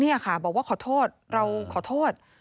นี่ค่ะบอกว่าขอโทษเราขอโทษ